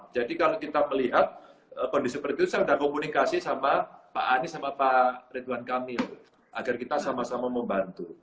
kalau kita melihat kondisi seperti itu saya sudah komunikasi sama pak anies sama pak ridwan kamil agar kita sama sama membantu